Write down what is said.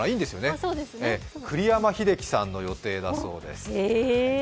今年は栗山英樹さんの予定だそうです。